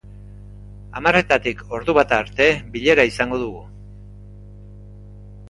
Hamarretatik ordu bata arte bilera izango dugu.